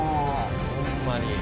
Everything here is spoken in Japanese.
ホンマに。